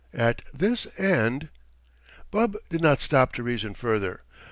at his end— Bub did not stop to reason further.